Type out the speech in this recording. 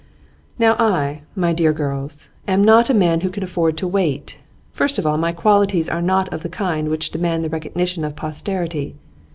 'Now I, my dear girls, am not a man who can afford to wait. First of all, my qualities are not of the kind which demand the recognition of posterity.